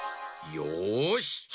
よし！